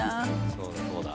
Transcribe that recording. そうだそうだ。